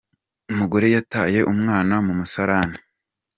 Umugore yataye umwana mu musarane